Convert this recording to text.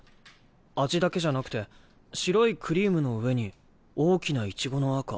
味だけじゃなくて白いクリームの上に大きなイチゴの赤。